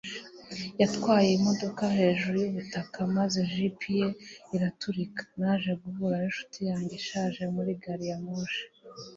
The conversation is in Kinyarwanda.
Yatwaye imodoka hejuru yubutaka maze jip ye iraturika. Naje guhura ninshuti yanjye ishaje muri gari ya moshi.